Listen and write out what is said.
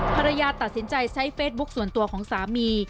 ภรรยาตัดสินใจใช้เฟซบุ๊คส่วนตัวของสามี